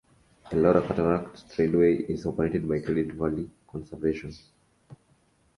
Elora Cataract Trailway is operated by Credit Valley Conservation.